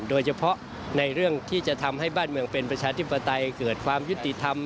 โดยเฉพาะในเรื่องที่จะทำให้บ้านเมืองเป็นประชาธิปไตยเกิดความยุติธรรม